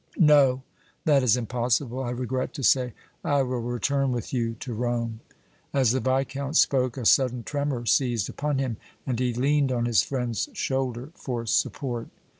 "No; that is impossible, I regret to say. I will return with you to Rome." As the Viscount spoke a sudden tremor seized upon him, and he leaned on his friend's shoulder for support.